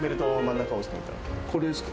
これですか？